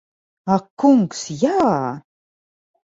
Ak kungs, jā!